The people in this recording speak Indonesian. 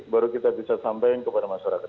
baru kita bisa sampaikan kepada masyarakat